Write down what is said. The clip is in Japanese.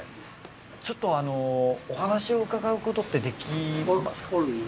ちょっとお話を伺うことってできますか？